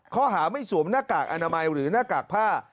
ข้อหาไม่สวมหน้ากากอนามัยหรือหน้ากากผ้า